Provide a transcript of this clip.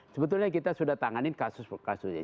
sebetulnya kita sudah tanganin kasus kasusnya